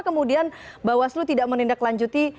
kemudian bawaslu tidak menindaklanjuti